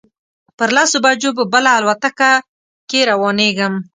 پر لسو بجو به بله الوتکه کې روانېږم.